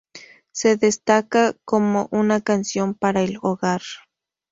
Se destaca como una canción para el hogar.